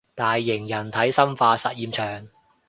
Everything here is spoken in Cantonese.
大型人體生化實驗場